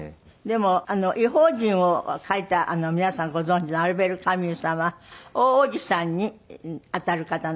でも『異邦人』を書いた皆さんご存じのアルベールカミュさんは大叔父さんに当たる方なんですって。